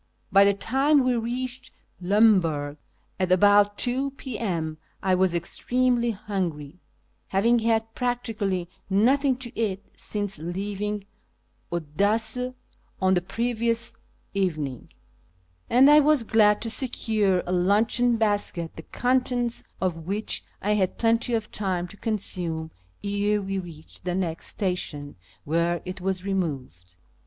By the time we reached Lemberg, at about 2 P.M., I was extremely hungry, having had practically nothing to eat since leaving Odessa on the previous evening ; and I was glad to secure a luncheon basket, the contents of which I FROM KIRMAN to ENGLAND 577 had plenty of time to consume ere we reached the next station, where it was removed.